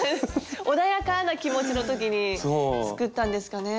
穏やかな気持ちの時に作ったんですかね。